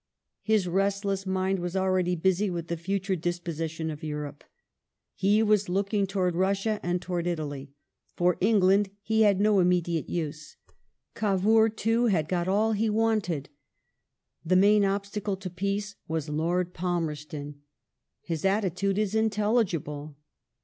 His restless mind was already busy with the future dis position of Europe. He was looking towai ds Russia and towards Italy ; for England he had no immediate use. Cavour too had got all he wanted. The main obstacle to peace was Lord Palmers ton. His attitude is intelligible.